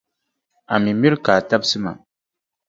A mi mira ka a tabisi ma.